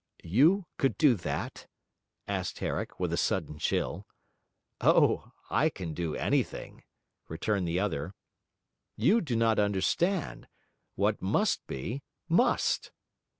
'You could do that?' asked Herrick, with a sudden chill. 'Oh, I can do anything,' returned the other. 'You do not understand: what must be, must.'